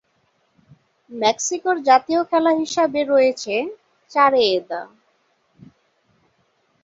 মেক্সিকোর জাতীয় খেলা হিসেবে রয়েছে চারেয়েদা।